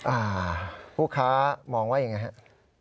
อ่าผู้ค้ามองว่ายังไงครับ